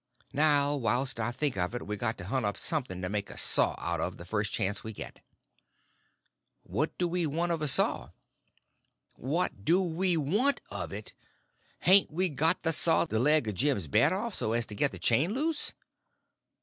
Now, whilst I think of it, we got to hunt up something to make a saw out of the first chance we get." "What do we want of a saw?" "What do we want of it? Hain't we got to saw the leg of Jim's bed off, so as to get the chain loose?"